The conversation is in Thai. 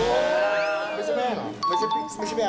ไม่ใช่แม่หรือ